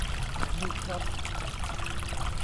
นี่ครับ